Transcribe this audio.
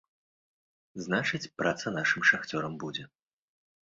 Значыць, праца нашым шахцёрам будзе.